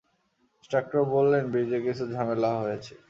Instructor বললেন, ব্রিজে কিছু ঝামেলা হয়েছে।